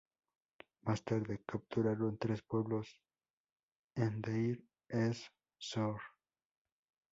Más tarde capturaron tres pueblos en Deir ez-Zor.